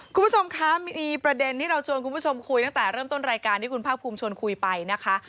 คุณผู้ชมคะมีประเด็นที่เราชวนคุณผู้ชมคุยตั้งแต่เริ่มต้นรายการที่คุณภาคภูมิชวนคุยไปนะคะ